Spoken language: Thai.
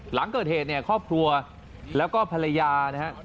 หลังเกิดเหตุเนี่ยครอบครัวแล้วก็ภรรยานะฮะ